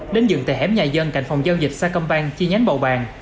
đến dựng tại hẻm nhà dân cạnh phòng giao dịch sa câm bang chi nhánh bầu bàn